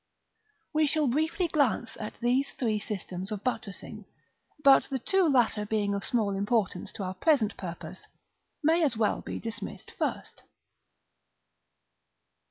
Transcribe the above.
We shall briefly glance at these three systems of buttressing; but the two latter being of small importance to our present purpose, may as well be dismissed first.